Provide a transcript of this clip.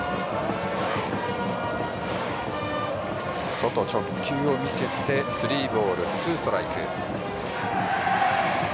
外、直球を見せてスリーボール、ツーストライク。